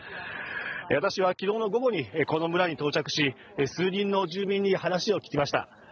私は昨日の午後にこの村に到着し、数人の住民に話を聞きました。